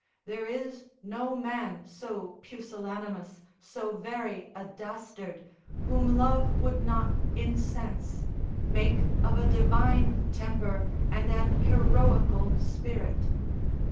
There is no man so pusillanimous, so very a dastard, whom love would not incense, make of a divine temper, and an heroical spirit.